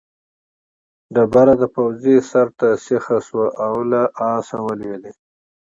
ډبره د پوځي سر ته سیخه شوه او له آسه ولوېد.